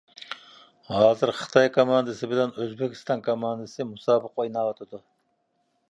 ھازىر خىتاي كوماندىسى بىلەن ئۆزبېكىستان كوماندىسى مۇسابىقە ئويناۋاتىدۇ.